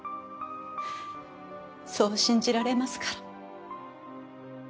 そう信じられますから。